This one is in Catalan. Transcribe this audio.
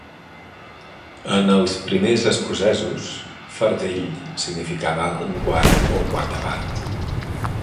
En els primers escocesos, "fardell" significava un quart o quarta part.